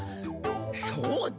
そうだ。